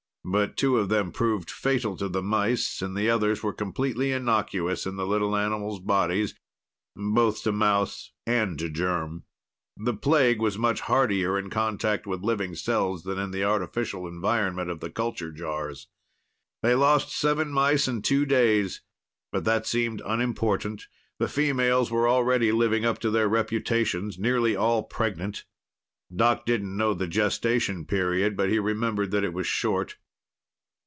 But two of them proved fatal to the mice and the others were completely innocuous in the little animal's bodies, both to mouse and to germ. The plague was much hardier in contact with living cells than in the artificial environment of the culture jars. They lost seven mice in two days, but that seemed unimportant; the females were already living up to their reputations, nearly all pregnant. Doc didn't know the gestation period, but he remembered that it was short.